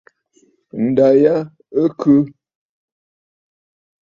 Ǹda ya ɨ khɨ.